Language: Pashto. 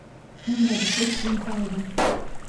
منډه د سست ژوند پای دی